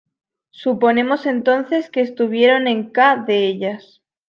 Suponemos entonces que estuviera en k de ellas.